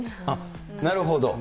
なるほど。